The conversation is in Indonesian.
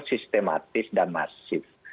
sistematis dan masif